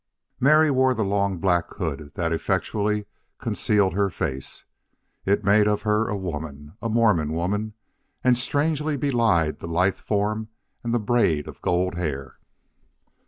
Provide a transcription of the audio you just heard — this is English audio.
Mary wore the long black hood that effectually concealed her face. It made of her a woman, a Mormon woman, and strangely belied the lithe form and the braid of gold hair.